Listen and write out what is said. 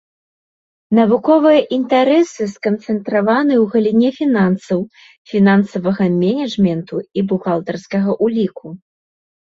Навуковыя інтарэсы сканцэнтраваны ў галіне фінансаў, фінансавага менеджменту і бухгалтарскага ўліку.